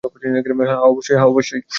হ্যাঁ, অবশ্যই।